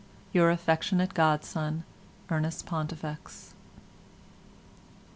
—Your affectionate Godson, ERNEST PONTIFEX."